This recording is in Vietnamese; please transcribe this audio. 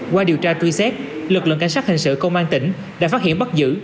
qua điều tra truy xét lực lượng cảnh sát hình sự công an tỉnh đã phát hiện bắt giữ